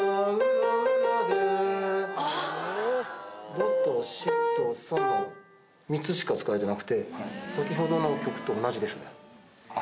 ドとシとソの３つしか使われてなくて先ほどの曲と同じですね。